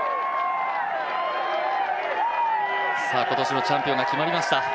今年のチャンピオンが決まりました。